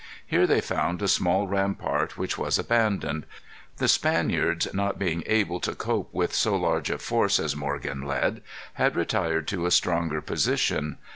Here they found a small rampart which was abandoned. The Spaniards, not being able to cope with so large a force as Morgan led, had retired to a stronger position.